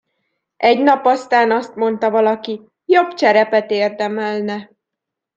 Egy nap aztán azt mondta valaki: Jobb cserepet érdemelne!